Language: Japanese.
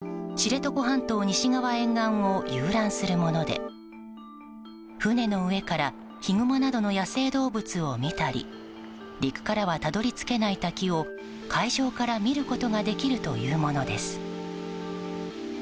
保有する２隻の遊覧船で知床半島西側沿岸を遊覧するもので船の上からヒグマなどの野生動物を見たり陸からはたどり着けない滝を海上から見ることができるというものです。